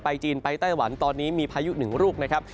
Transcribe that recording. จีนไปไต้หวันตอนนี้มีพายุหนึ่งลูกนะครับ